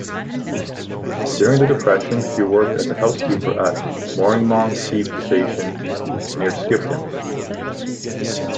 During the Depression she worked as a housekeeper at Mooramong sheep station near Skipton.